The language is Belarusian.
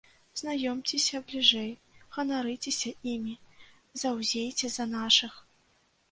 Знаёмцеся бліжэй, ганарыцеся імі, заўзейце за нашых!